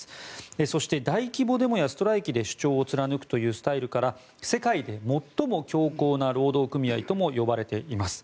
そして、大規模デモやストライキで主張を貫くというスタイルから世界で最も強硬な労働組合とも呼ばれています。